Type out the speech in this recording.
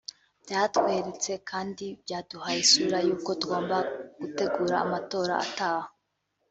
byatweretse kandi byaduhaye isura y’uko tugomba gutegura amatora ataha